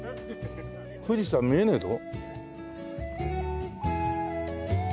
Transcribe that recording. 富士山見えねえぞ。